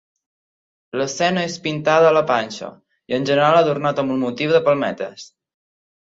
L'escena és pintada a la panxa, i en general adornat amb un motiu de palmetes.